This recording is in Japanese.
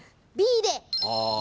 Ｂで。